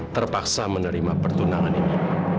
terpaksa menerima pertunangan ini